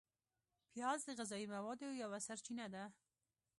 پیاز د غذایي موادو یوه سرچینه ده